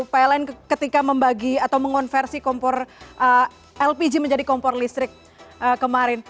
pak ellen ketika membagi atau mengonversi kompor lpg menjadi kompor listrik kemarin